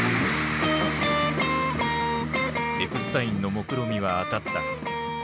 エプスタインのもくろみは当たった。